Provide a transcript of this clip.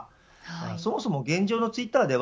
そもそも、現状のツイッターでは